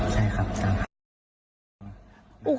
ใช่ครับใช่ครับ